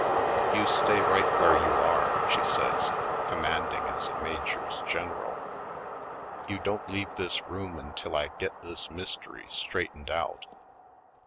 "You stay right where you are," she says, commanding as a major's general. "You don't leave this room until I get this mys tery straightened out."